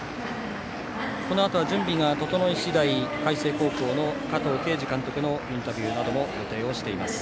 このあと、準備が整い次第海星高校の加藤慶二監督のインタビューなども予定をしています。